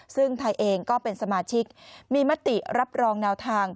ซึ่งไทยเองก็เป็นสมาชิกมีมติรับรองแนวทาง